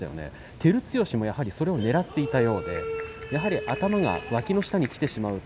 照強もやはりそれをねらっていたようでやはり頭がわきの下にきてしまうと